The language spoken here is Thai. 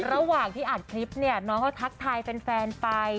ระหว่างที่อัดคลิปเนี่ยน้องเขาทักทายแฟนไป